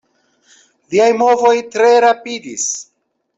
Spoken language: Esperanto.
Liaj movoj tre rapidis.